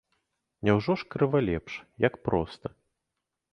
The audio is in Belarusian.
Няўжо ж крыва лепш, як проста?